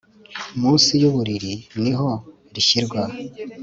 munsi yuburiri niho rishyirwa